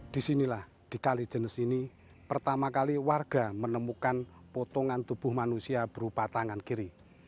di sinilah di kali jenis ini pertama kali warga menemukan potongan tubuh manusia berupa tangan kiri